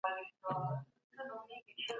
زه به خپله دنده په بشپړ امانتدارۍ ترسره کړم.